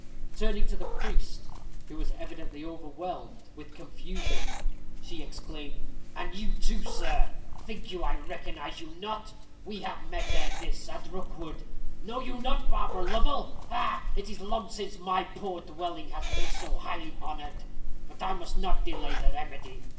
Turning to the priest, who was evidently overwhelmed with confusion, she exclaimed, "And you too, sir, think you I recognize you not? We have met ere this, at Rookwood. Know you not Barbara Lovel? Ha, ha! It is long since my poor dwelling has been so highly honored. But I must not delay the remedy.